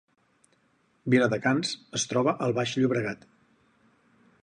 Viladecans es troba al Baix Llobregat